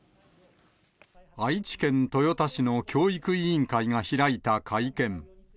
愛知県豊田市の教育委員会が開いた会見。